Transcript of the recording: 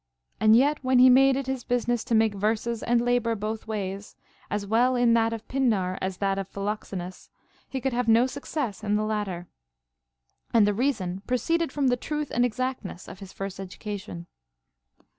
And yet, when he made it his business to make verses and labor both ways, as well in that of Pindar as that of Philoxenus, he could have no success in the latter. And the reason proceeded from the truth and exactness of his first educa tion.